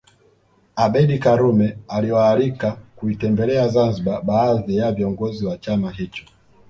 Abeid Karume aliwaalika kuitembelea Zanzibar baadhi ya viongozi wa chama hicho